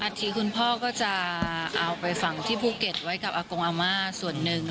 ทีคุณพ่อก็จะเอาไปฝังที่ภูเก็ตไว้กับอากงอาม่าส่วนหนึ่ง